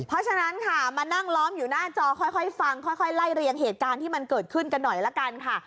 เพราะฉะนั้นค่ะมานั่งล้อมอยู่หน้าจอค่อยฟังค่อยไล่เรียงเหตุการณ์ที่มันเกิดขึ้นกันหน่อยละกันค่ะ